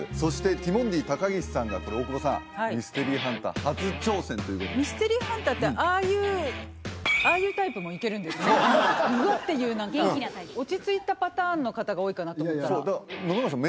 ティモンディ高岸さんが大久保さんミステリーハンター初挑戦ということでミステリーハンターってああいうガッていう何か元気なタイプ落ち着いたパターンの方が多いかなと思ったら野々村さん